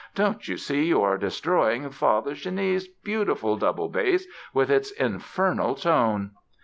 Don't you see you are destroying Father Chenie's beautiful double bass, with its infernal tone?"